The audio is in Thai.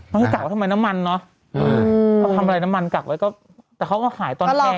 เพราะถ้าจักรว่าทำไมน้ำมันน่ะ